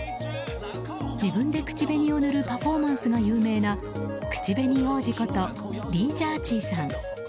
自分で口紅を塗るパフォーマンスが有名な口紅王子ことリー・ジャーチーさん。